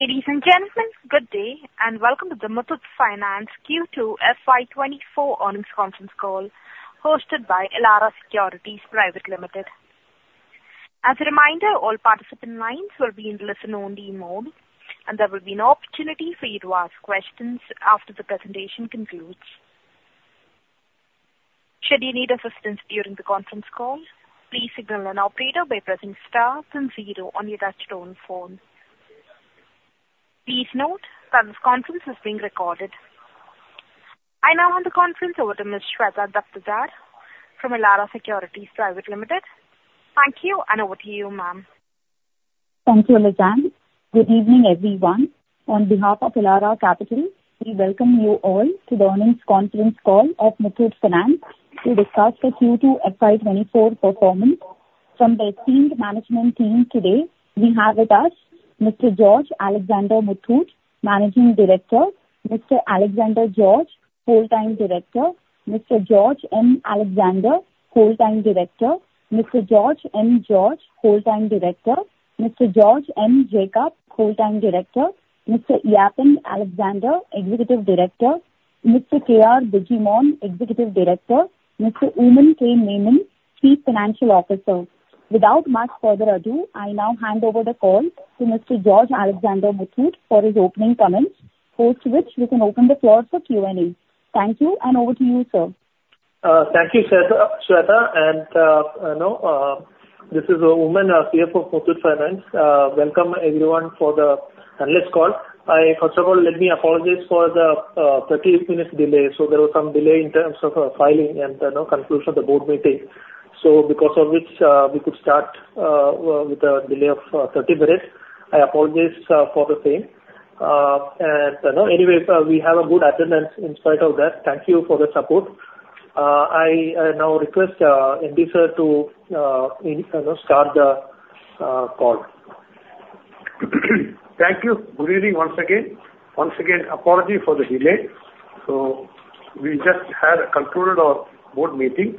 Ladies and gentlemen, good day, and welcome to the Muthoot Finance Q2 FY 2024 earnings conference call, hosted by Elara Securities Private Limited. As a reminder, all participant lines will be in listen-only mode, and there will be an opportunity for you to ask questions after the presentation concludes. Should you need assistance during the conference call, please signal an operator by pressing star then zero on your touchtone phone. Please note that this conference is being recorded. I now hand the conference over to Ms. Shweta Daptardar from Elara Securities Private Limited. Thank you, and over to you, ma'am. Thank you, Lizann. Good evening, everyone. On behalf of Elara Capital, we welcome you all to the earnings conference call of Muthoot Finance to discuss the Q2 FY24 performance. From the esteemed management team today, we have with us Mr. George Alexander Muthoot, Managing Director, Mr. Alexander George, Full-time Director, Mr. George M. Alexander, Full-time Director, Mr. George M. George, Full-time Director, Mr. George M. Jacob, Full-time Director, Mr. Eapen Alexander, Executive Director, Mr. K.R. Bijimon, Executive Director, Mr. Oommen K. Mammen, Chief Financial Officer. Without much further ado, I now hand over the call to Mr. George Alexander Muthoot for his opening comments, post which we can open the floor for Q&A. Thank you, and over to you, sir. Thank you, Shweta, and, you know, this is Oommen, CFO for Muthoot Finance. Welcome everyone for the analyst call. I, first of all, let me apologize for the 30 minutes delay. So there was some delay in terms of filing and the, you know, conclusion of the Board meeting, so because of which we could start with a delay of 30 minutes. I apologize for the same. And, you know, anyways, we have a good attendance in spite of that. Thank you for the support. I now request MD Sir to, you know, start the call. Thank you. Good evening once again. Once again, apology for the delay. So we just had concluded our Board meeting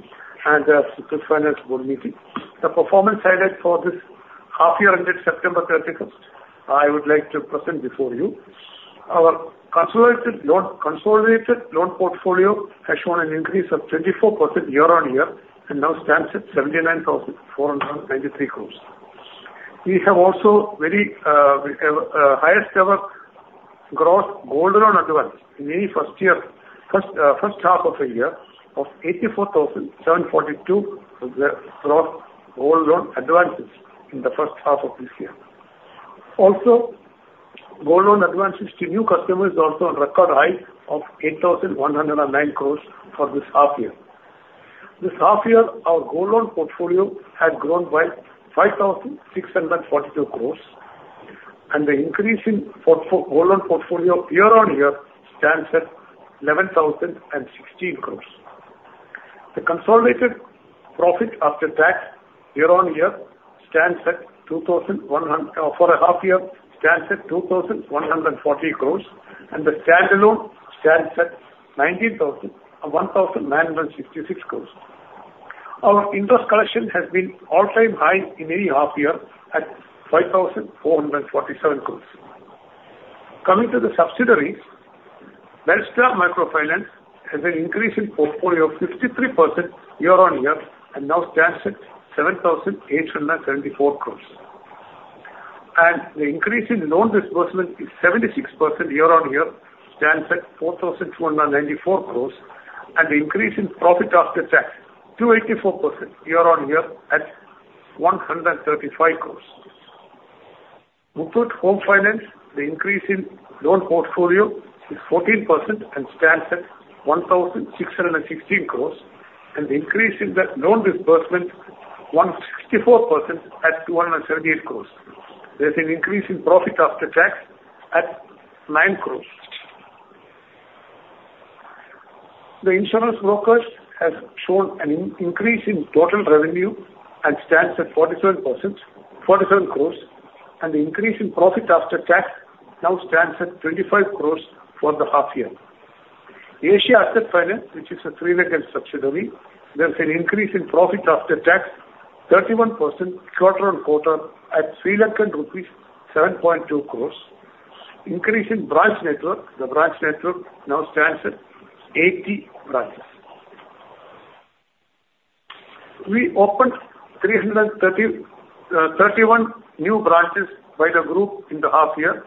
and Muthoot Finance Board meeting. The performance highlighted for this half year ended September 31st, I would like to present before you. Our consolidated loan, consolidated loan portfolio has shown an increase of 24% year-on-year and now stands at 79,493 crore. We have also very, we have, highest ever gross gold loan advance in any first half of a year, of 84,742 gross gold loan advances in the first half of this year. Also, gold loan advances to new customers is also on record high of 8,109 crore for this half year. This half year, our gold loan portfolio had grown by 5,642 crore, and the increase in gold loan portfolio year-on-year stands at 11,016 crore. The consolidated profit after tax year-on-year stands at 2,140 crore for the half year, and the standalone stands at 1,966 crore. Our interest collection has been all-time high in any half year at 5,447 crore. Coming to the subsidiaries, Belstar Microfinance has an increase in portfolio of 53% year-on-year and now stands at 7,874 crore. And the increase in loan disbursement is 76% year-on-year, stands at 4,294 crore, and the increase in profit after tax, 284% year-on-year at 135 crore. Muthoot Home Finance, the increase in loan portfolio is 14% and stands at 1,616 crores, and the increase in the loan disbursement, 164% at 278 crores. There's an increase in profit after tax at 9 crores. The insurance brokers has shown an increase in total revenue and stands at 47%, 47 crores, and the increase in profit after tax now stands at 25 crores for the half year. Asia Asset Finance, which is a Sri Lankan subsidiary, there's an increase in profit after tax, 31% quarter-on-quarter at LKR 7.2 crores. Increase in branch network, the branch network now stands at 80 branches. We opened 331 new branches by the group in the half year,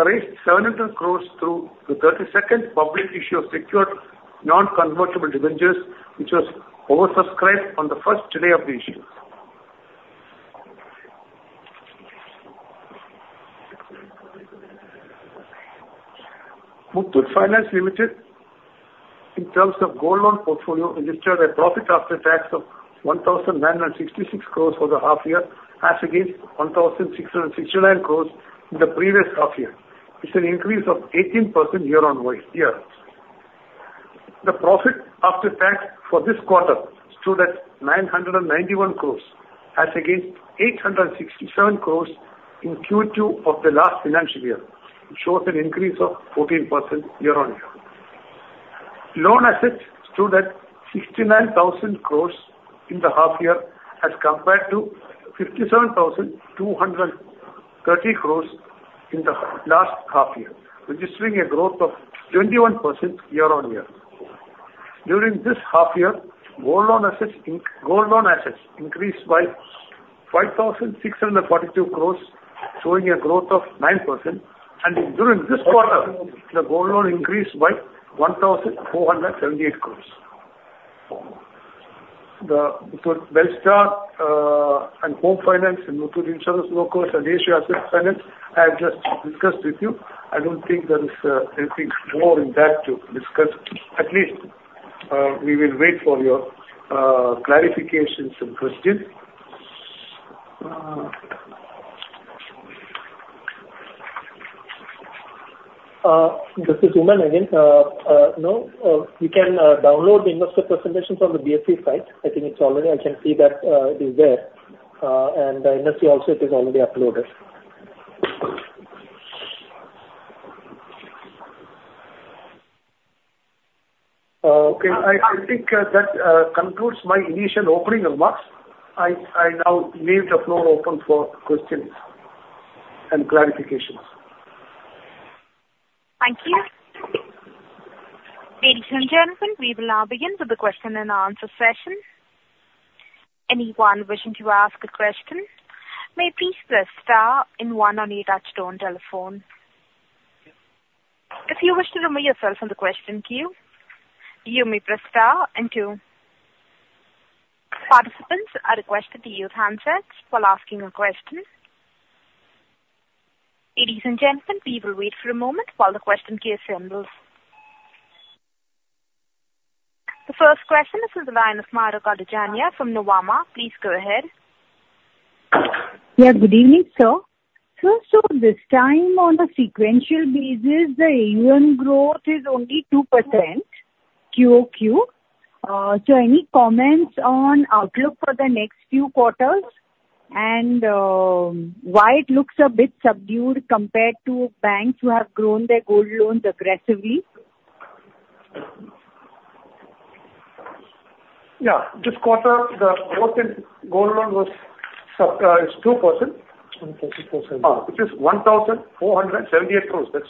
raised 700 crore through the 32nd public issue of Secured Non-Convertible Debentures, which was oversubscribed on the first day of the issue. Muthoot Finance Limited, in terms of gold loan portfolio, registered a profit after tax of 1,966 crore for the half year, as against 1,669 crore in the previous half year. It's an increase of 18% year-on-year. The profit after tax for this quarter stood at 991 crore, as against 867 crore in Q2 of the last financial year. It shows an increase of 14% year-on-year. Loan assets stood at 69,000 crore in the half year, as compared to 57,230 crore in the last half year, registering a growth of 21% year-on-year. During this half year, gold loan assets increased by 5,642 crore, showing a growth of 9%, and during this quarter, the gold loan increased by 1,478 crore. The Belstar and Home Finance and Muthoot Insurance Brokers and Asia Asset Finance, I have just discussed with you. I don't think there is anything more in that to discuss. At least, we will wait for your clarifications and questions. This is Oommen K. Mammen. No, you can download the investor presentation from the BSE site. I think it's already. I can see that it is there, and the NSE also it is already uploaded. Okay. I think that concludes my initial opening remarks. I now leave the floor open for questions and clarifications. Thank you. Ladies and gentlemen, we will now begin with the question-and-answer session. Anyone wishing to ask a question, may please press star and one on your touch-tone telephone. If you wish to remove yourself from the question queue, you may press star and two. Participants are requested to use handsets while asking a question. Ladies and gentlemen, we will wait for a moment while the question queue assembles. The first question is from the line of Mahrukh Adajania from Nuvama. Please go ahead. Yeah, good evening, sir. So, this time, on a sequential basis, the AUM growth is only 2%, Q-o-Q. So any comments on outlook for the next few quarters, and why it looks a bit subdued compared to banks who have grown their gold loans aggressively? Yeah, this quarter, the growth in gold loan was sub, is 2%. One percent. It is 1,478 crore. That's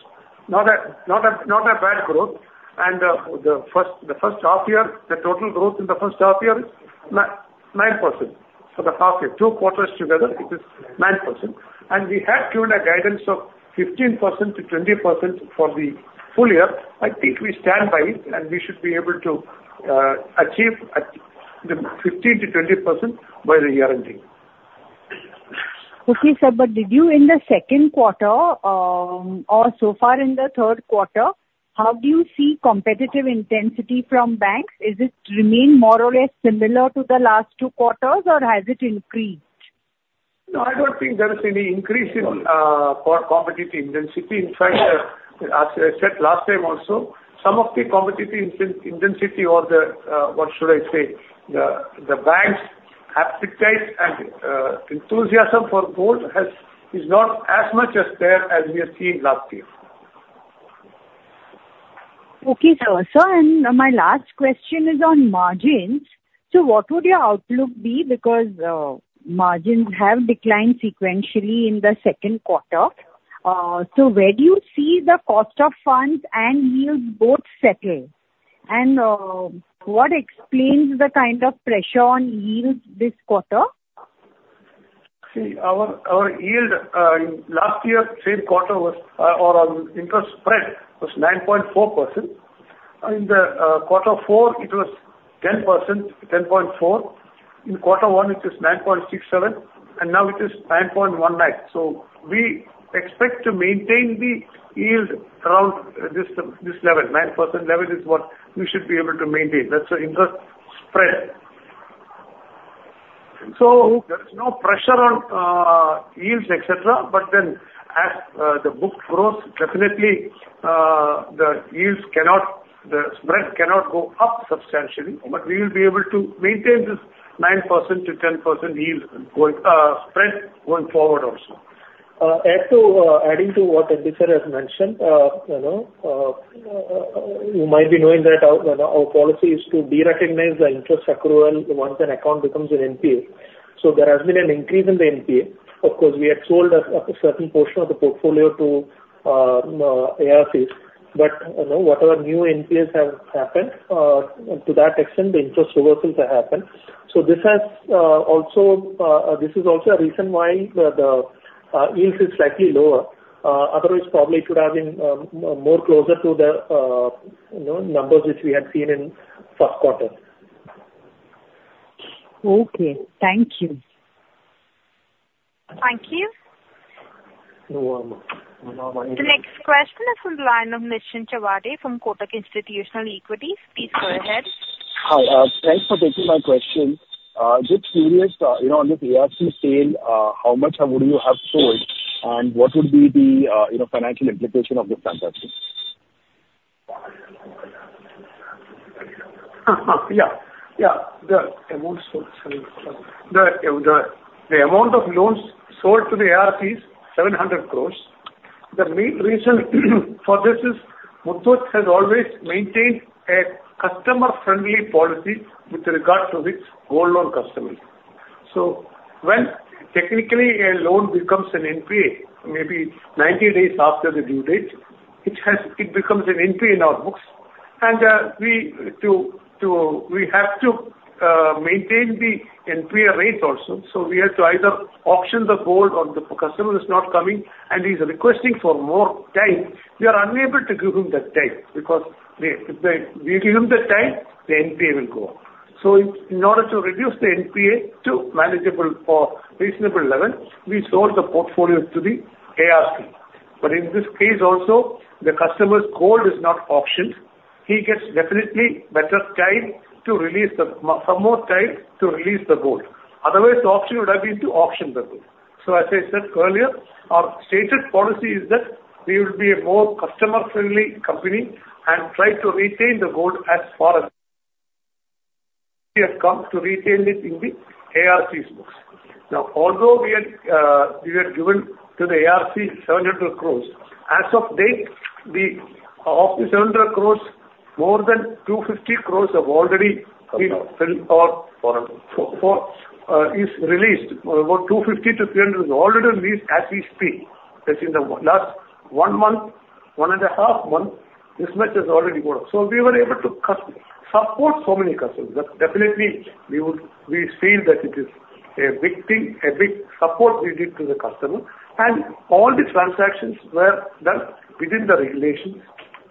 not a bad growth, and the first half year, the total growth in the first half year is 9%. For the half year, two quarters together, it is 9%. And we had given a guidance of 15%-20% for the full year. I think we stand by it, and we should be able to achieve at the 15%-20% by the year ending. Okay, sir, but did you in theQ2, or so far in the Q3, how do you see competitive intensity from banks? Is it remain more or less similar to the last two quarters, or has it increased? No, I don't think there is any increase in for competitive intensity. In fact, as I said last time also, some of the competitive intensity or the, what should I say? The, the banks' appetite and, enthusiasm for gold has, is not as much as there as we have seen last year. Okay, sir. Sir, and my last question is on margins. So what would your outlook be? Because, margins have declined sequentially in the Q2. So where do you see the cost of funds and yields both settle? And, what explains the kind of pressure on yields this quarter? See, our, our yield in last year, same quarter was, or our interest spread was 9.4%. In the Q4, it was 10%, 10.4. In Q1, it is 9.67, and now it is 9.19. So we expect to maintain the yield around this, this level. 9% level is what we should be able to maintain. That's the interest spread. So there is no pressure on yields, et cetera, but then as the book grows, definitely, the yields cannot, the spread cannot go up substantially, but we will be able to maintain this 9%-10% yields going spread going forward also. Adding to what MD sir has mentioned, you know, you might be knowing that our, you know, our policy is to derecognize the interest accrual once an account becomes an NPA. So there has been an increase in the NPA. Of course, we had sold a certain portion of the portfolio to ARCs, but, you know, whatever new NPAs have happened, to that extent, the interest reversals have happened. So this has also, this is also a reason why the yields is slightly lower. Otherwise, probably it would have been more closer to the, you know, numbers which we had seen in Q1. Okay, thank you. Thank you. Nuvama, Nuvama. The next question is from the line of Nischint Chawathe from Kotak Institutional Equities. Please go ahead. Hi. Thanks for taking my question. Just curious, you know, on this ARC sale, how much would you have sold, and what would be the, you know, financial implication of this transaction? The amount of loans sold to the ARCs, 700 crore. The main reason for this is Muthoot has always maintained a customer friendly policy with regard to its gold loan customers. So when technically a loan becomes an NPA, maybe 90 days after the due date, it becomes an NPA in our books, and we have to maintain the NPA rates also. So we have to either auction the gold or the customer is not coming and he's requesting for more time, we are unable to give him the time because if we give him the time, the NPA will go up. So in order to reduce the NPA to manageable or reasonable level, we sold the portfolio to the ARC. But in this case also, the customer's gold is not auctioned. He gets definitely better time to release the, some more time to release the gold. Otherwise, the option would have been to auction the gold. So as I said earlier, our stated policy is that we will be a more customer friendly company and try to retain the gold as far as we have come to retain it in the ARC books. Now, although we had, we had given to the ARC 700 crore, as of date, the, of the 700 crore, more than 250 crore have already been filled or- INR 400 crores. -for, is released. About 250 crores-300 crores is already released as we speak. That's in the last one month, one and a half month, this much has already gone. So we were able to support so many customers. That definitely we would, we feel that it is a big thing, a big support we did to the customer, and all the transactions were done within the regulations,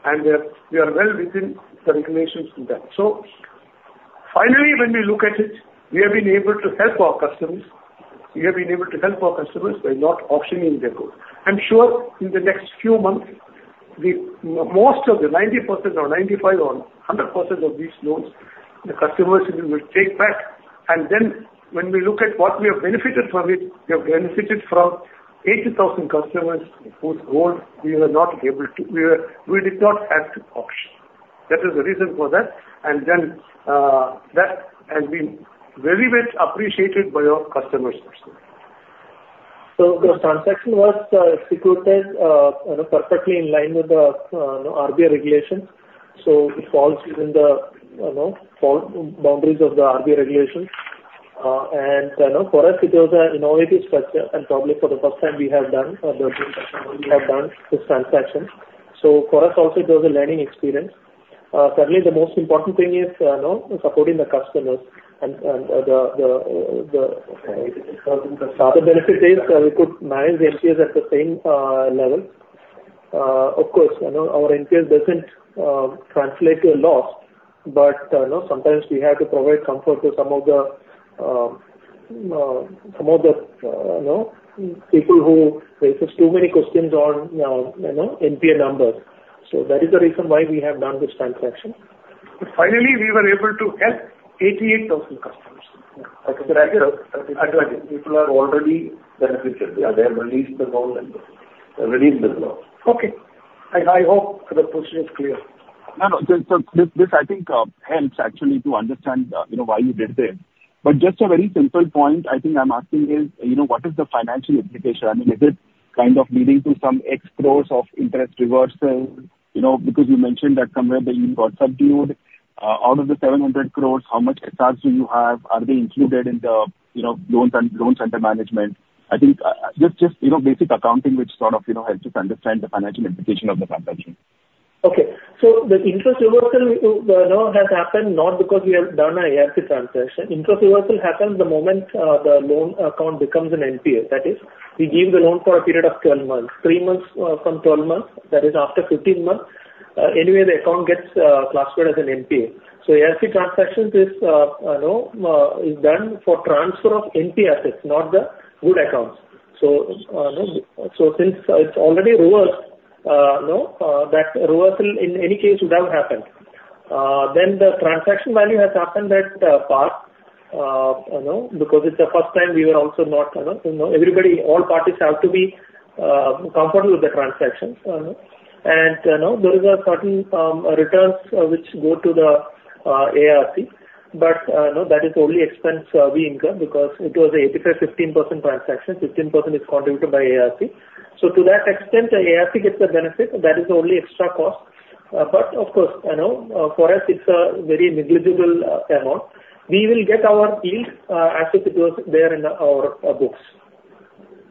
and we are, we are well within the regulations in that. So finally, when we look at it, we have been able to help our customers. We have been able to help our customers by not auctioning their gold. I'm sure in the next few months, the most of the 90% or 95 or 100% of these loans, the customers will, will take back. Then when we look at what we have benefited from it, we have benefited from 88,000 customers whose gold we were not able to... We were, we did not have to auction. That is the reason for that, and then, that has been very much appreciated by our customers also. So the transaction was secured, you know, perfectly in line with the, you know, RBI regulations. So it falls within the, you know, boundaries of the RBI regulations. And, you know, for us it was an innovative structure, and probably for the first time we have done, or the team actually we have done this transaction. So for us also, it was a learning experience. Certainly the most important thing is, you know, supporting the customers and the other benefit is we could manage NPAs at the same level. Of course, you know, our NPAs doesn't translate to a loss, but, you know, sometimes we have to provide comfort to some of the, you know, people who raises too many questions on, you know, NPA numbers. That is the reason why we have done this transaction. Finally, we were able to help 88,000 customers. Okay. I tell you, people are already benefited. They have released the gold and released the gold. Okay. I hope the position is clear. No, no. So, this, this I think, helps actually to understand, you know, why you did this. But just a very simple point, I think I'm asking is, you know, what is the financial implication? I mean, is it kind of leading to some X crores of interest reversal? You know, because you mentioned that somewhere that you got subdued. Out of the 700 crore, how much assets do you have? Are they included in the, you know, loans and loan center management? I think, just, just, you know, basic accounting, which sort of, you know, helps us understand the financial implication of the transaction. Okay. So the interest reversal, you know, has happened not because we have done an ARC transaction. Interest reversal happens the moment the loan account becomes an NPA. That is, we give the loan for a period of 12 months, three months from 12 months, that is after 15 months, anyway, the account gets classified as an NPA. So ARC transactions is, you know, done for transfer of NPA assets, not the good accounts. So since it's already reversed, you know, that reversal in any case would have happened. Then the transaction value has happened at part, you know, because it's the first time we were also not, you know, everybody, all parties have to be comfortable with the transaction, you know. And, you know, there is a certain returns which go to the ARC, but, you know, that is only expense we incur because it was a 85-15% transaction. 15% is contributed by ARC. So to that extent, the ARC gets the benefit, that is only extra cost. But of course, you know, for us it's a very negligible amount. We will get our yield, as if it was there in our books.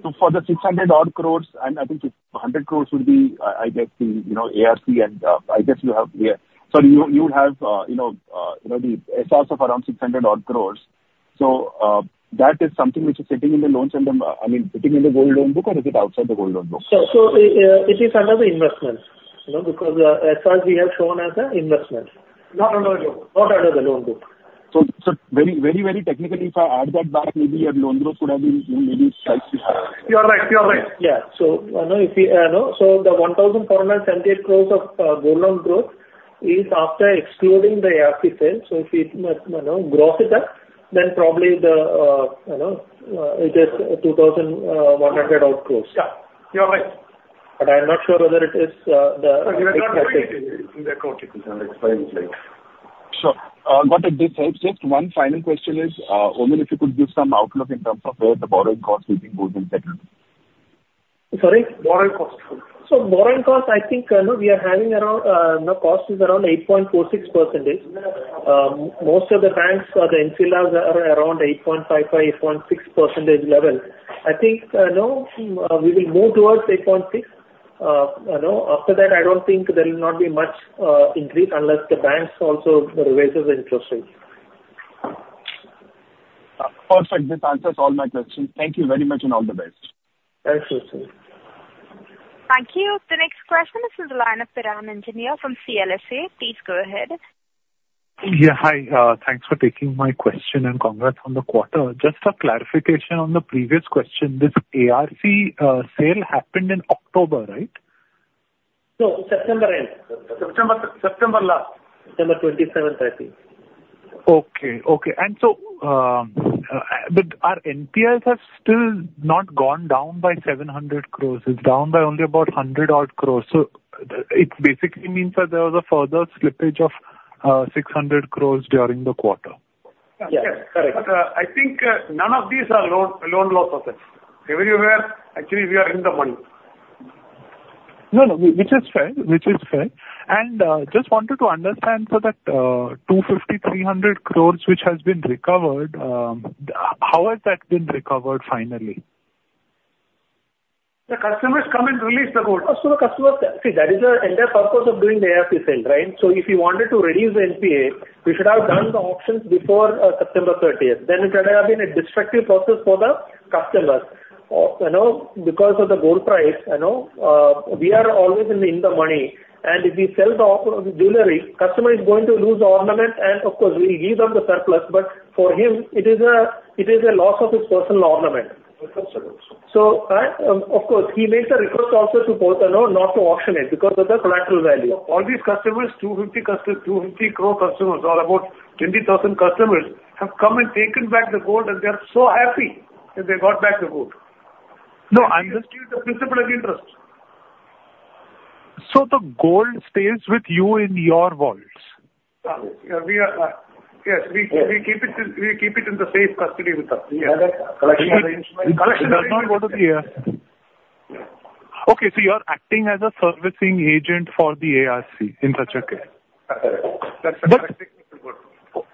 So for the 600-odd crore, and I think it's 100 crore would be, I guess the, you know, ARC and, I guess you have here. So you would have, you know, you know, the assets of around 600-odd crore. So, that is something which is sitting in the loans and, I mean, sitting in the gold loan book, or is it outside the gold loan book? So, it is under the investments, you know, because, as far as we have shown as a investment. Not under the loan, Not under the loan book. So very technically, if I add that back, maybe your loan growth would have been maybe slightly. You are right. You are right. Yeah. So, you know, if we know, so the 1,478 crore of gold loan growth is after excluding the ARC sale. So if it, you know, grows with that, then probably the, you know, it is 2,100-odd crore. Yeah, you are right. But I'm not sure whether it is, You have not made it in the quote. You can explain it later.... Sure. Got it. This helps. Just one final question is, Oommen if you could give some outlook in terms of where the borrowing cost will be going second? Sorry? Borrowing cost. So, borrowing cost, I think, you know, we are having around, you know, cost is around 8.46%. Most of the banks or the NBFCs are around 8.55%-8.6% level. I think, no, we will move towards 8.6%. You know, after that, I don't think there will not be much increase unless the banks also raises the interest rates. Perfect. This answers all my questions. Thank you very much, and all the best. Thank you, sir. Thank you. The next question is the line of Piran Engineer from CLSA. Please go ahead. Yeah, hi. Thanks for taking my question, and congrats on the quarter. Just for clarification on the previous question, this ARC sale happened in October, right? No, September end. September last. September 27th, I think. But our NPAs have still not gone down by 700 crore. It's down by only about 100 odd crore. So it basically means that there was a further slippage of 600 crore during the quarter? Yes. Correct. I think none of these are loan losses. Everywhere, actually, we are in the money. No, no, which is fair, which is fair. And just wanted to understand, so that 250 crore-300 crore, which has been recovered, how has that been recovered finally? The customers come and release the gold. So the customers... See, that is the entire purpose of doing the ARC sale, right? So if you wanted to reduce the NPA, we should have done the auctions before September 30th. Then it would have been a destructive process for the customers. You know, because of the gold price, you know, we are always in the money, and if we sell the gold jewelry, customer is going to lose the ornament, and of course, we give them the surplus, but for him, it is a loss of his personal ornament. Of course. Right, of course, he makes a request also to both, you know, not to auction it because of the collateral value. All these customers, 250 customers, 250 crore customers, or about 20,000 customers, have come and taken back the gold, and they are so happy that they got back the gold. No, I'm- We just give the principal of interest. So the gold stays with you in your vaults? Yes, we keep it in the safe custody with us. Yeah. Collection arrangement. Collection does not go to the ARC. Okay, so you're acting as a servicing agent for the ARC in such a case? Correct. That's exactly.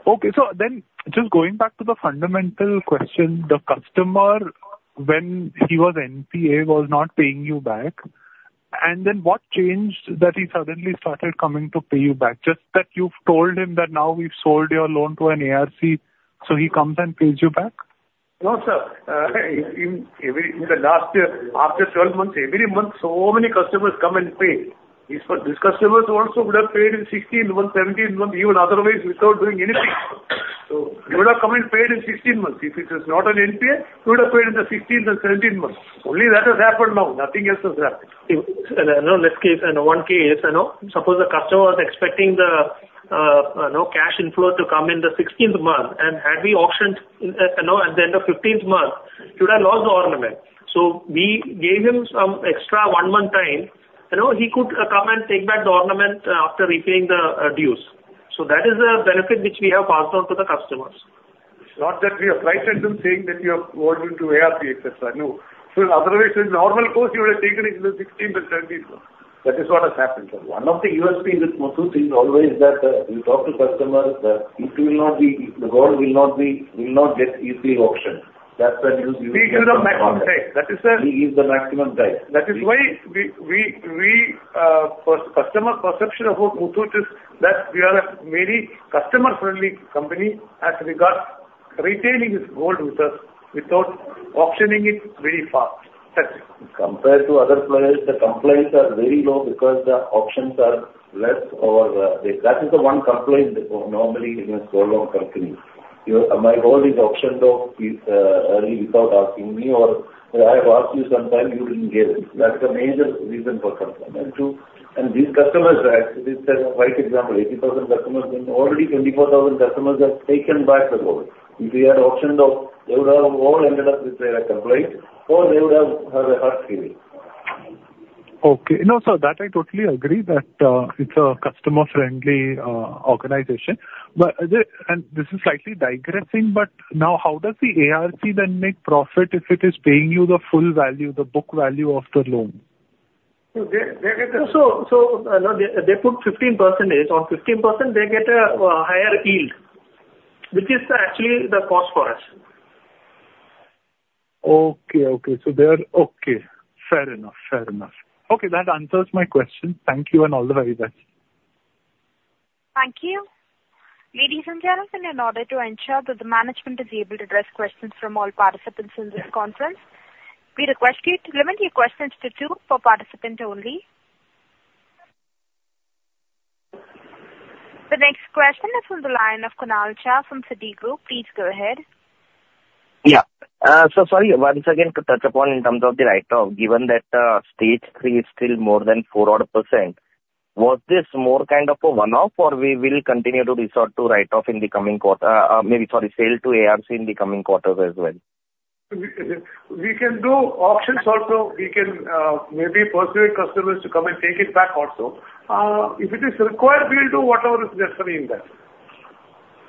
Okay. So then just going back to the fundamental question, the customer, when he was NPA, was not paying you back, and then what changed that he suddenly started coming to pay you back? Just that you've told him that now we've sold your loan to an ARC, so he comes and pays you back? No, sir. In the last year, after 12 months, every month, so many customers come and pay. These customers also would have paid in 16 months, 17 months, even otherwise, without doing anything. So he would have come and paid in 16 months. If it is not an NPA, he would have paid in the 16th or 17th month. Only that has happened now, nothing else has happened. If, no, let's keep one case, you know. Suppose the customer was expecting the, you know, cash inflow to come in the 16th month, and had we auctioned, you know, at the end of 15th month, he would have lost the ornament. So we gave him some extra one-month time, you know, he could come and take back the ornament after repaying the, dues. So that is a benefit which we have passed on to the customers. It's not that we have frightened him, saying that you have gone into ARC, et cetera. No. So otherwise, in normal course, he would have taken it in the 16th or 17th month. That is what has happened, sir. One of the USP with Muthoot is always that, you talk to customers, that it will not be... The gold will not be, will not get easily auctioned. That's the use- We give the maximum price. That is the- We give the maximum price. That is why, for customer perception about Muthoot, is that we are a very customer-friendly company as regards retaining his gold with us without auctioning it very fast. That's it. Compared to other players, the complaints are very low because the auctions are less or, that is the one complaint that normally in a solo company. "You know, my gold is auctioned off, early without asking me, or I have asked you sometime, you didn't give it." That's the major reason for complaint. True. These customers are, this is a right example, 80,000 customers, and already 24,000 customers have taken back the gold. If we had auctioned off, they would have all ended up with a complaint, or they would have had a hard feeling. Okay. No, sir, that I totally agree that, it's a customer-friendly organization. But the, and this is slightly digressing, but now how does the ARC then make profit if it is paying you the full value, the book value of the loan? So they get the- No, they put 15%. On 15%, they get a higher yield, which is actually the cost for us. Okay, okay. Fair enough. Fair enough. Okay, that answers my question. Thank you, and all the very best. Thank you. Ladies and gentlemen, in order to ensure that the management is able to address questions from all participants in this conference, we request you to limit your questions to two per participant only. The next question is from the line of Kunal Shah from Citigroup. Please go ahead. Yeah. So sorry, once again, to touch upon in terms of the write-off, given that Stage Three is still more than four odd %, was this more kind of a one-off, or we will continue to resort to write-off in the coming quarter, maybe, sorry, sale to ARC in the coming quarters as well?... We can do auctions also. We can, maybe persuade customers to come and take it back also. If it is required, we will do whatever is necessary in that.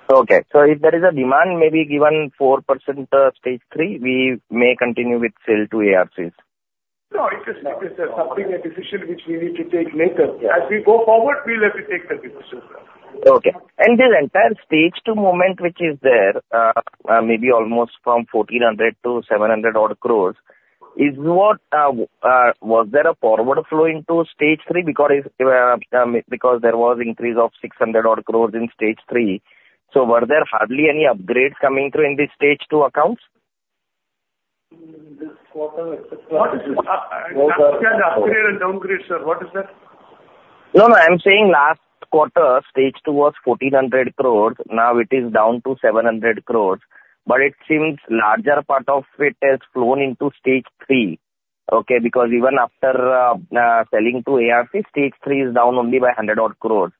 Okay. So if there is a demand, maybe given 4%, Stage Three, we may continue with sale to ARCs? No, it is, it is something, a decision which we need to take later. Yeah. As we go forward, we will have to take that decision. Okay. This entire Stage Two movement, which is there, maybe almost from 1,400 crore-700-odd crore, is what was there a forward flow into Stage Three? Because because there was increase of 600-odd crore in Stage Three. So were there hardly any upgrades coming through in this Stage Two accounts? This quarter- What is this? Upgrade and downgrade, sir, what is that? No, no, I'm saying last quarter, Stage Two was 1,400 crore. Now it is down to 700 crore, but it seems larger part of it has flown into Stage Three. Okay, because even after selling to ARC, Stage Three is down only by 100 odd crore.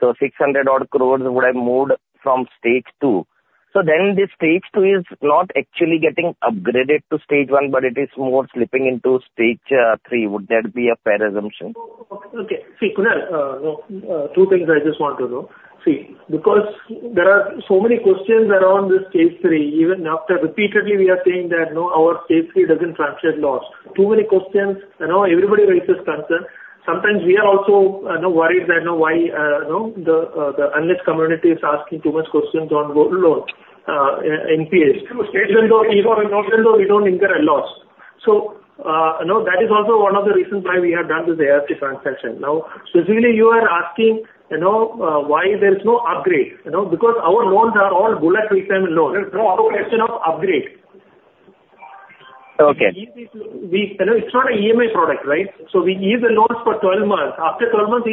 So 600 odd crore would have moved from Stage Two. So then this Stage Two is not actually getting upgraded to Stage One, but it is more slipping into Stage Three. Would that be a fair assumption? Okay. See, Kunal, two things I just want to know. See, because there are so many questions around this Stage Three, even after repeatedly we are saying that, no, our Stage Three doesn't translate loss. Too many questions, you know, everybody raises concern. Sometimes we are also, you know, worried that, you know, why, you know, the, the analyst community is asking too much questions on gold loans, NPAs. Even though, even though we don't incur a loss. So, you know, that is also one of the reasons why we have done this ARC transaction. Now, specifically, you are asking, you know, why there is no upgrade, you know, because our loans are all bullet repayment loans. There's no question of upgrade. Okay. We, you know, it's not an EMI product, right? So we give the loans for 12 months. After 12 months,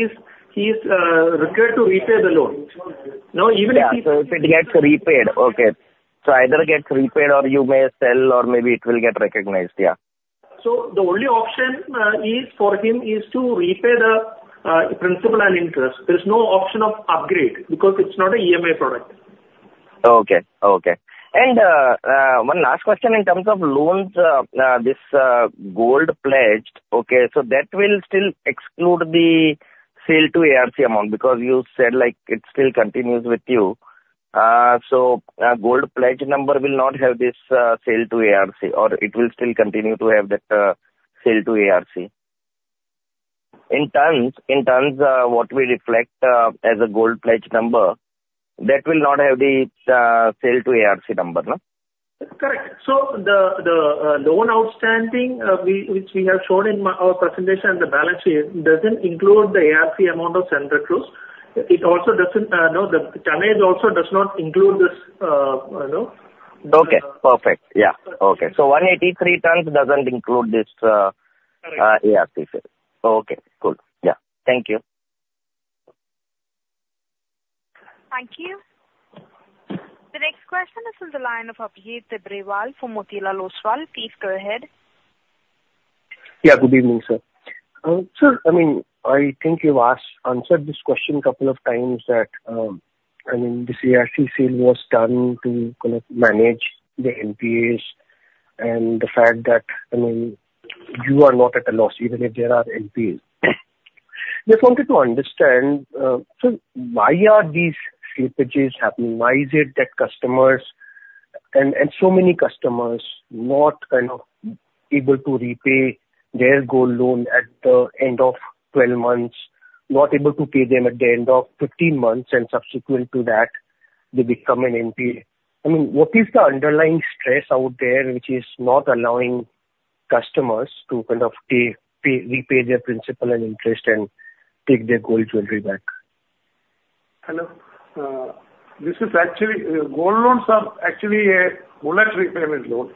he's required to repay the loan. Now, even if he- Yeah, so if it gets repaid, okay. So either gets repaid or you may sell or maybe it will get recognized. Yeah. So the only option is for him is to repay the principal and interest. There's no option of upgrade because it's not an EMI product. Okay, okay. And one last question in terms of loans, this gold pledged, okay, so that will still exclude the sale to ARC amount, because you said, like, it still continues with you. So, gold pledge number will not have this sale to ARC, or it will still continue to have that sale to ARC? In tons, what we reflect as a gold pledge number, that will not have the sale to ARC number, no? Correct. So the loan outstanding, which we have shown in our presentation and the balance sheet, doesn't include the ARC amount of INR 700 crore. It also doesn't, you know, the tonnage also does not include this, you know? Okay, perfect. Yeah. Okay. So 183 tons doesn't include this, Correct. ARC sale. Okay, cool. Yeah. Thank you. Thank you. The next question is from the line of Abhijit Tibrewal for Motilal Oswal. Please go ahead. Yeah, good evening, sir. Sir, I mean, I think you've asked, answered this question a couple of times that, I mean, this ARC sale was done to kind of manage the NPAs and the fact that, I mean, you are not at a loss even if there are NPAs. Just wanted to understand, sir, why are these slippages happening? Why is it that customers and, and so many customers not kind of able to repay their gold loan at the end of 12 months, not able to pay them at the end of 15 months, and subsequent to that, they become an NPA? I mean, what is the underlying stress out there, which is not allowing customers to kind of pay, pay, repay their principal and interest and take their gold jewelry back? Hello. This is actually, gold loans are actually a bullet repayment loan.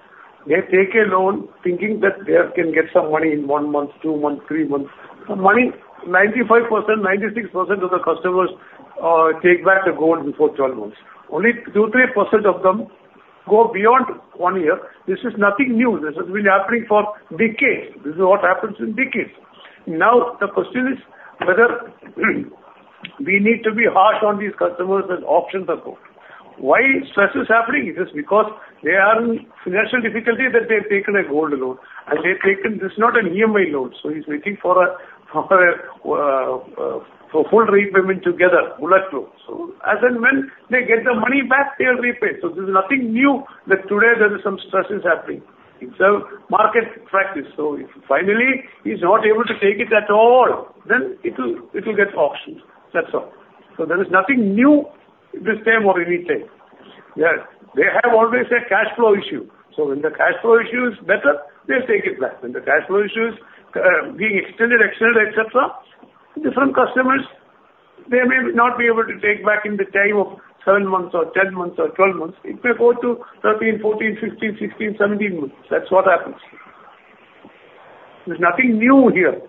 They take a loan thinking that they can get some money in one month, two months, three months. The money, 95%, 96% of the customers, take back the gold before 12 months. Only 2%-3% of them go beyond one year. This is nothing new. This has been happening for decades. This is what happens in decades. Now, the question is whether we need to be harsh on these customers when options are poor. Why stress is happening? It is because they are in financial difficulty, that they have taken a gold loan, and they've taken. This is not an EMI loan, so he's waiting for a, for a, for full repayment together, bullet loan. So as and when they get the money back, they'll repay. So there's nothing new that today there is some stress is happening. It's a market practice. So if finally he's not able to take it at all, then it will, it will get auctioned. That's all. So there is nothing new this time or any time. They are, they have always a cash flow issue. So when the cash flow issue is better, they'll take it back. When the cash flow issue is being extended, extended, et cetera, different customers, they may not be able to take back in the time of seven months or 10 months or 12 months. It may go to 13, 14, 15, 16, 17 months. That's what happens. There's nothing new here.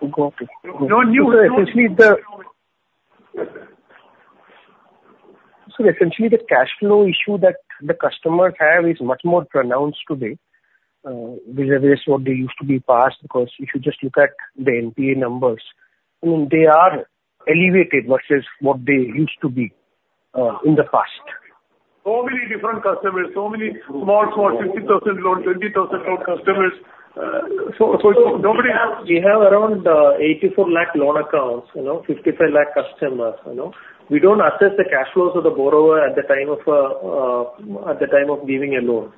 Got it. No new- Sir, essentially, the cash flow issue that the customers have is much more pronounced today vis-à-vis what they used to be in the past, because if you just look at the NPA numbers, I mean, they are elevated versus what they used to be in the past. Many different customers, so many small, small, 50,000 loan, 20,000 loan customers, so, so nobody has- We have around 84 lakh loan accounts, you know, 55 lakh customers, you know? We don't assess the cash flows of the borrower at the time of giving a loan.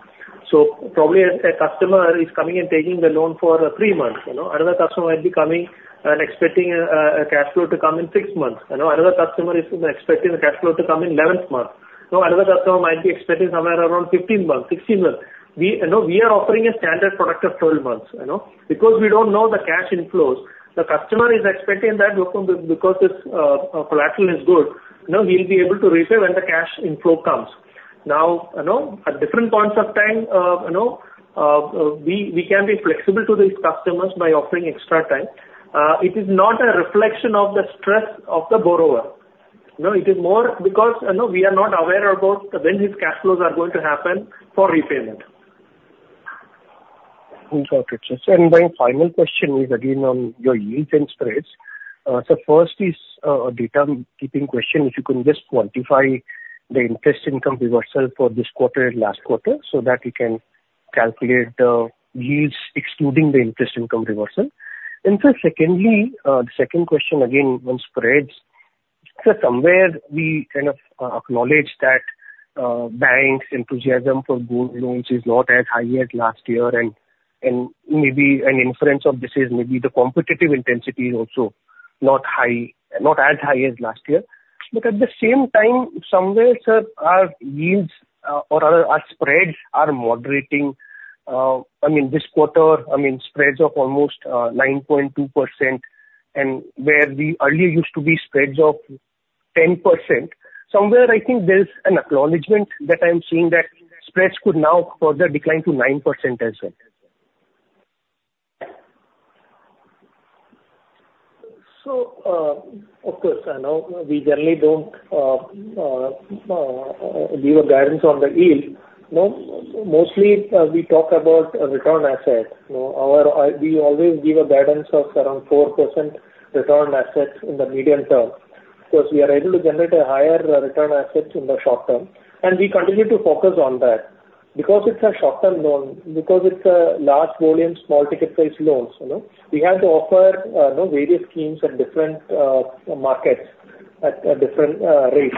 So probably a customer is coming and taking the loan for three months, you know. Another customer might be coming and expecting a cash flow to come in six months, you know. Another customer is expecting the cash flow to come in 11th month. So another customer might be expecting somewhere around 15 months, 16 months. We, you know, we are offering a standard product of 12 months, you know? Because we don't know the cash inflows, the customer is expecting that because his collateral is good, you know, he'll be able to repay when the cash inflow comes. Now, you know, at different points of time, you know, we can be flexible to these customers by offering extra time. It is not a reflection of the stress of the borrower. You know, it is more because, you know, we are not aware about when his cash flows are going to happen for repayment. Okay. My final question is again on your yield and spreads. So first is a data-keeping question. If you can just quantify the interest income reversal for this quarter and last quarter, so that we can calculate the yields excluding the interest income reversal. And sir, secondly, the second question again on spreads. Sir, somewhere we kind of acknowledge that, banks' enthusiasm for growth, you know, is not as high as last year, and maybe an inference of this is maybe the competitive intensity is also not high, not as high as last year. But at the same time, somewhere, sir, our yields or our spreads are moderating. I mean, this quarter, I mean, spreads of almost 9.2%, and where we earlier used to be spreads of 10%. Somewhere, I think there is an acknowledgement that I'm seeing that spreads could now further decline to 9% as well. So, of course, I know we generally don't give a guidance on the yield. No, mostly, we talk about a return asset. You know, we always give a guidance of around 4% return assets in the medium term, because we are able to generate a higher return assets in the short term, and we continue to focus on that. Because it's a short-term loan, because it's a large volume, small ticket price loans, you know, we have to offer you know, various schemes at different markets at a different rate.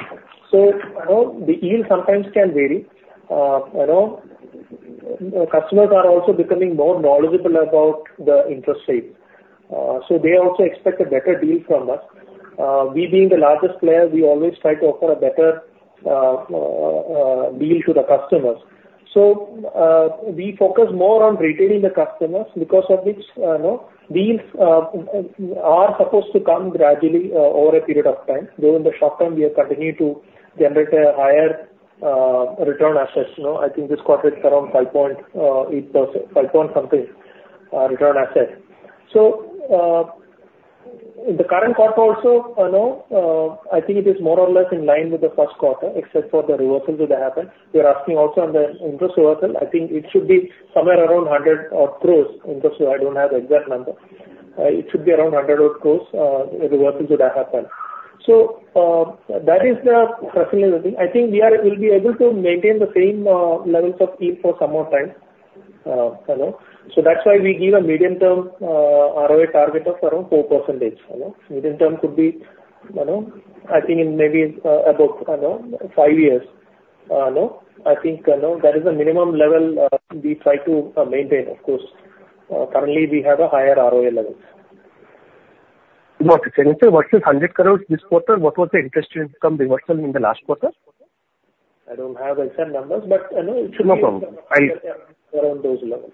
So, you know, the yield sometimes can vary. You know, customers are also becoming more knowledgeable about the interest rate, so they also expect a better deal from us. We being the largest player, we always try to offer a better deal to the customers. So, we focus more on retaining the customers, because of which, you know, deals are supposed to come gradually over a period of time. During the short term, we have continued to generate a higher return assets. You know, I think this quarter it's around 5.8%, five point something return asset. So, in the current quarter also, you know, I think it is more or less in line with the Q1, except for the reversal that happened. You're asking also on the interest reversal, I think it should be somewhere around 100-odd crore interest. I don't have the exact number. It should be around 100-odd crore reversals that happened. So, that is the first thing. I think we are, will be able to maintain the same, levels of fee for some more time, you know. So that's why we give a medium-term, ROA target of around 4%, you know. Medium-term could be, you know, I think in maybe, about, you know, five years, you know. I think, you know, that is the minimum level, we try to, maintain, of course. Currently we have a higher ROA levels. Got it. So what is 100 crore this quarter? What was the interest income reversal in the last quarter? I don't have the exact numbers, but, you know, it should be- No problem. Around those levels.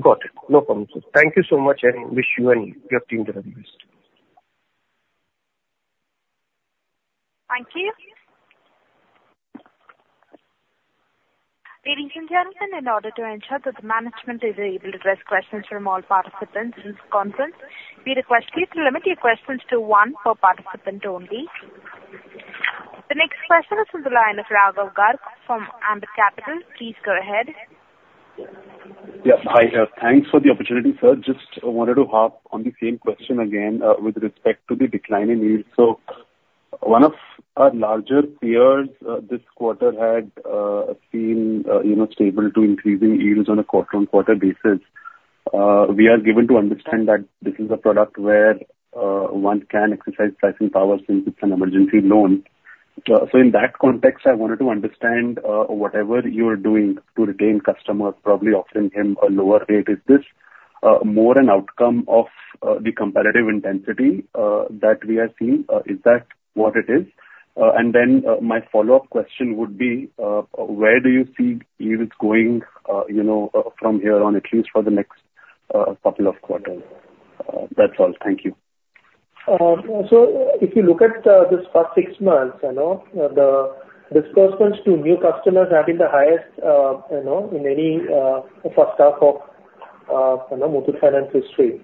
Got it. No problem, sir. Thank you so much, and wish you and your team the very best. Thank you. Ladies and gentlemen, in order to ensure that the management is able to address questions from all participants in this conference, we request you to limit your questions to one per participant only. The next question is from the line of Raghav Garg from Ambit Capital. Please go ahead. Yeah. Hi, thanks for the opportunity, sir. Just wanted to hop on the same question again, with respect to the decline in yields. So one of our larger peers, this quarter had seen, you know, stable to increasing yields on a quarter-on-quarter basis. We are given to understand that this is a product where one can exercise pricing powers since it's an emergency loan. So in that context, I wanted to understand whatever you are doing to retain customers, probably offering him a lower rate, is this more an outcome of the competitive intensity that we are seeing? Is that what it is? And then, my follow-up question would be, where do you see yields going, you know, from here on, at least for the next couple of quarters? That's all. Thank you. So if you look at this past six months, you know, the disbursements to new customers have been the highest, you know, in any first half of-... you know, Muthoot Finance history.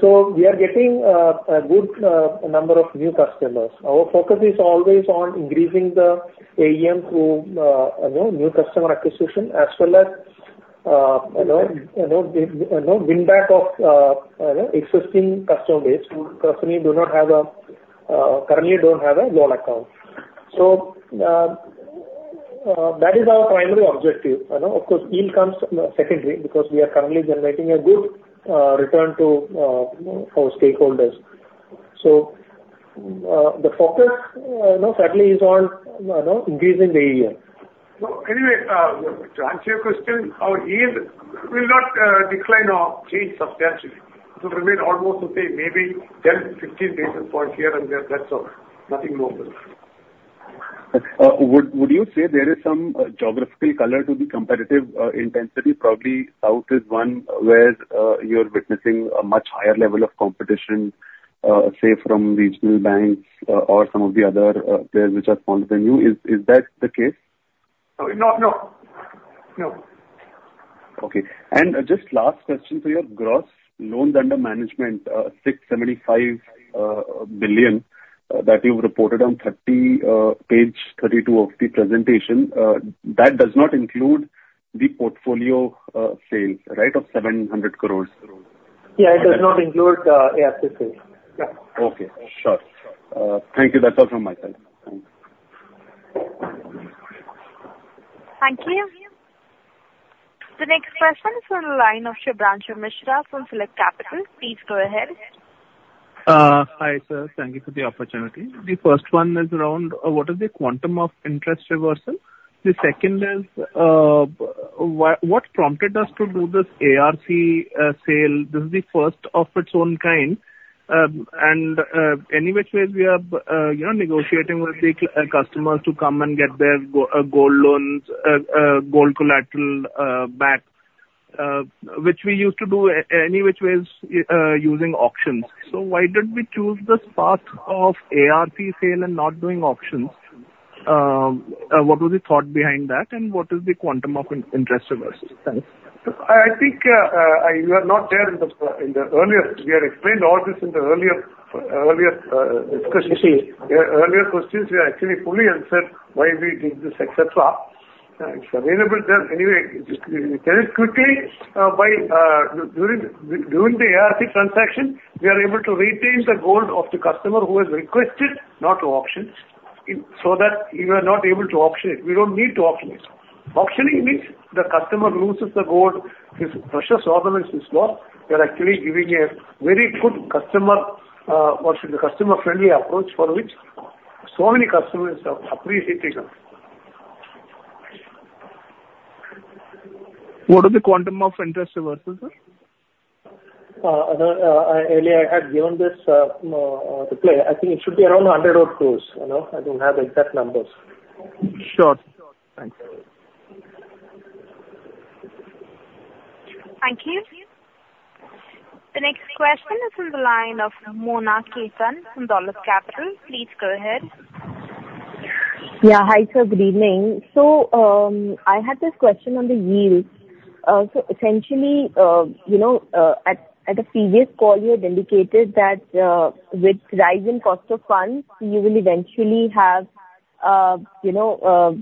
So we are getting a good number of new customers. Our focus is always on increasing the AUM through you know, new customer acquisition, as well as you know, you know, you know, win back of you know, existing customer base, who currently don't have a loan account. So that is our primary objective, you know? Of course, yield comes secondly, because we are currently generating a good return to you know, our stakeholders. So the focus you know certainly is on you know, increasing the AUM. So anyway, to answer your question, our yield will not decline or change substantially. It will remain almost the same, maybe 10, 15 basis points here and there, that's all. Nothing more than. Would you say there is some geographical color to the competitive intensity? Probably, south is one where you're witnessing a much higher level of competition, say from regional banks or some of the other players which are smaller than you. Is that the case? No, no. No. Okay. And just last question, so your gross loans under management, 675 billion, that you've reported on page 32 of the presentation, that does not include the portfolio sales, right, of 700 crore? Yeah, it does not include ARC sales. Yeah. Okay. Sure. Thank you. That's all from my side. Thanks. Thank you. The next question is on the line of Shubhranshu Mishra from Systematix Capital. Please go ahead. Hi, sir. Thank you for the opportunity. The first one is around what is the quantum of interest reversal? The second is what prompted us to do this ARC sale? This is the first of its own kind. And any which way we are, you know, negotiating with the customers to come and get their gold loans gold collateral back, which we used to do any which ways using auctions. So why did we choose this path of ARC sale and not doing auctions? What was the thought behind that, and what is the quantum of interest reversal? Thanks. I think you were not there in the earlier... We had explained all this in the earlier discussion. You see- Earlier questions, we actually fully answered why we did this, et cetera. It's available there. Anyway, to tell it quickly, during the ARC transaction, we are able to retain the gold of the customer who has requested not to auction, so that you are not able to auction it. We don't need to auction it. Auctioning means the customer loses the gold, his precious item is lost. We are actually giving a very good customer, what should be the customer-friendly approach for which so many customers have appreciated us. What is the quantum of interest reversal, sir? Earlier I had given this reply. I think it should be around 100 crore, you know? I don't have the exact numbers. Sure. Thanks. Thank you. The next question is on the line of Mona Khetan from Dolat Capital. Please go ahead. Yeah. Hi, sir, good evening. So, I had this question on the yield. So essentially, you know, at a previous call, you had indicated that, with rise in cost of funds, you will eventually have, you know,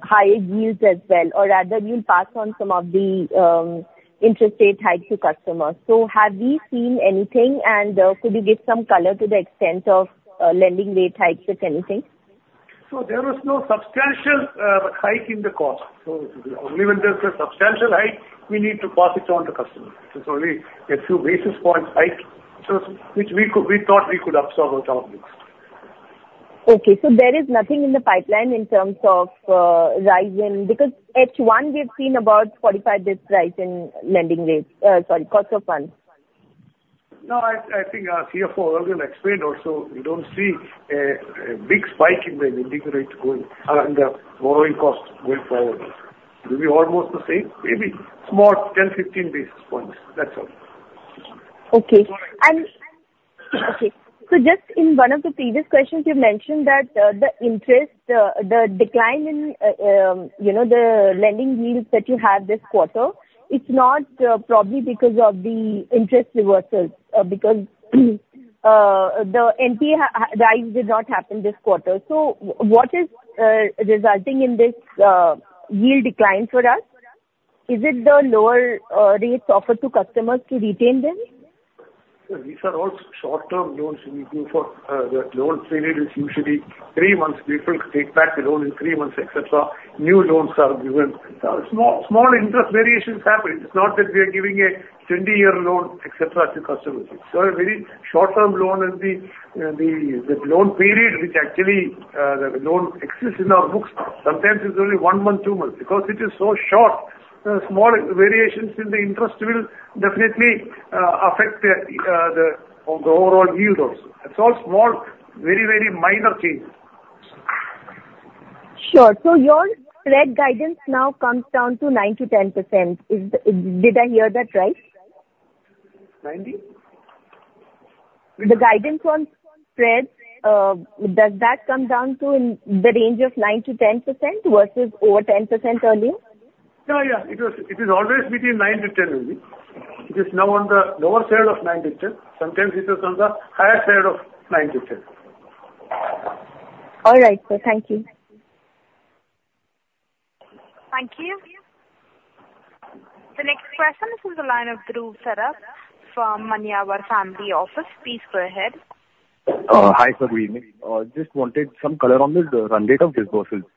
higher yields as well, or rather you'll pass on some of the interest rate hike to customers. So have we seen anything? And, could you give some color to the extent of lending rate hikes, if anything? There was no substantial hike in the cost. Only when there's a substantial hike, we need to pass it on to customers. It's only a few basis points hike, so we thought we could absorb ourselves. Okay. So there is nothing in the pipeline in terms of rise in... Because H1, we've seen about 45 basis rise in lending rates, sorry, cost of funds. No, I, I think our CFO will explain also. We don't see a big spike in the lending rates going and the borrowing costs going forward. It will be almost the same, maybe small 10-15 basis points, that's all. Okay. All right. And, okay, so just in one of the previous questions, you mentioned that, the interest, the decline in, you know, the lending yields that you have this quarter, it's not, probably because of the interest reversals, because, the NPA rise did not happen this quarter. So what is, resulting in this, yield decline for us? Is it the lower, rates offered to customers to retain them? So these are all short-term loans we do for, the loan period is usually three months. People take back the loan in three months, et cetera. New loans are given. Small, small interest variations happen. It's not that we are giving a 20-year loan, et cetera, to customers. So a very short-term loan is the loan period, which actually, the loan exists in our books. Sometimes it's only one month, two months, because it is so short, small variations in the interest will definitely affect the overall yields also. It's all small, very, very minor changes. Sure. So your spread guidance now comes down to 9%-10%. Did I hear that right? Ninety?... The guidance on spread, does that come down to in the range of 9%-10% versus over 10% earlier? Yeah, yeah. It was, it is always between 9-10 only. It is now on the lower side of nine to10. Sometimes it is on the higher side of nine to 10. All right, sir. Thank you. Thank you. The next question is in the line of Dhruv Saraf from Manyavar Family Office. Please go ahead. Hi, sir, good evening. Just wanted some color on the run rate of disbursements.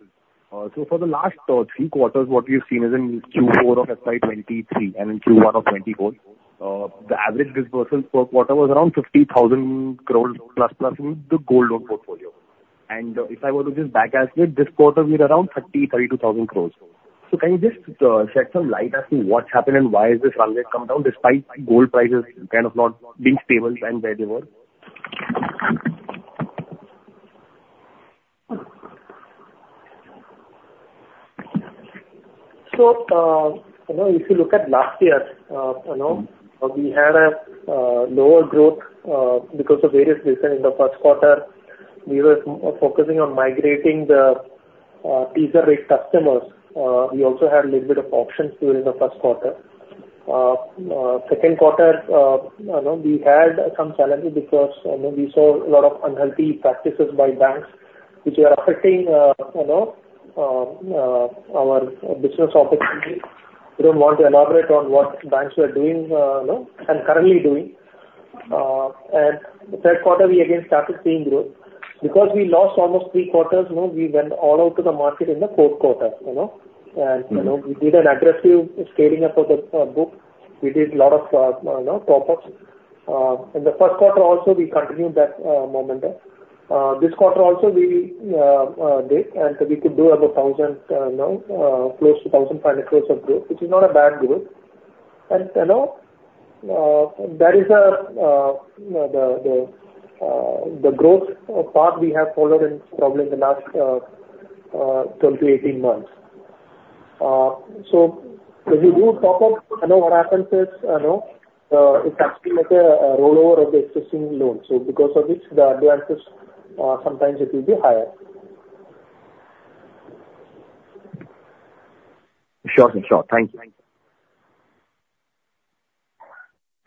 So for the last three quarters, what we've seen is in Q4 of FY 2023 and in Q1 of 2024, the average disbursement per quarter was around 50,000 crore plus in the gold loan portfolio. And if I were to just backcast it, this quarter we are around 30,000-32,000 crore. So can you just shed some light as to what's happened and why is this run rate come down, despite gold prices kind of not being stable and where they were? So, you know, if you look at last year, you know, we had a lower growth because of various reasons. In the Q1, we were focusing on migrating the teaser rate customers. We also had a little bit of options during the Q1. Q2, you know, we had some challenges because, you know, we saw a lot of unhealthy practices by banks, which were affecting, you know, our business opportunities. We don't want to elaborate on what banks were doing, you know, and currently doing. The Q3, we again started seeing growth. Because we lost almost three quarters, you know, we went all out to the market in the Q4, you know, and- Mm-hmm. You know, we did an aggressive scaling up of the book. We did a lot of, you know, top-ups. In the Q1 also, we continued that momentum. This quarter also we did, and we could do about 1,000, you know, close to 1,000 million of growth, which is not a bad growth. And, you know, that is the growth path we have followed in probably the last 12-18 months. So if you do top up, you know, what happens is, you know, it's actually like a rollover of the existing loan. So because of this, the advances sometimes it will be higher. Sure, sure. Thank you.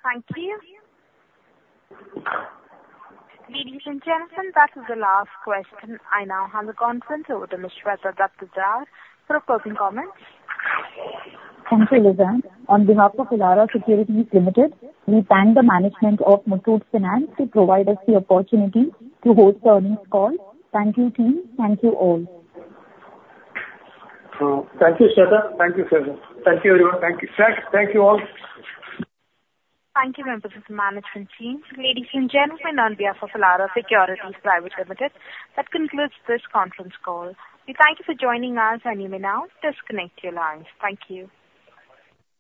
Thank you. Ladies and gentlemen, that is the last question. I now hand the conference over to Ms. Shweta Daptardar for closing comments. Thank you, Lizann. On behalf of Elara Securities Limited, we thank the management of Muthoot Finance to provide us the opportunity to host the earnings call. Thank you, team. Thank you all. Thank you, Shweta. Thank you, everyone. Thank you. Thank you all. Thank you, members of the management team. Ladies and gentlemen, on behalf of Elara Securities Private Limited, that concludes this conference call. We thank you for joining us, and you may now disconnect your lines. Thank you.